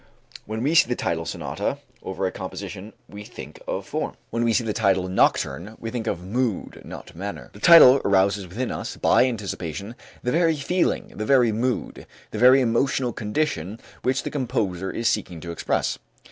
When we see the title "Sonata" over a composition we think of form. When we see the title "Nocturne" we think of mood, not manner. The title arouses within us, by anticipation, the very feeling, the very mood, the very emotional condition which the composer is seeking to express.